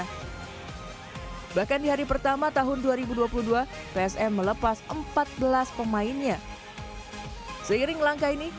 hai bahkan di hari pertama tahun dua ribu dua puluh dua psm melepas empat belas pemainnya seiring langkah ini